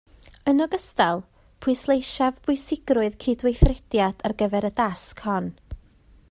Yn ogystal, pwysleisiaf bwysigrwydd cydweithrediad ar gyfer y dasg hon